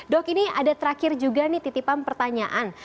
dok ini ada terakhir juga nih titipan pertanyaan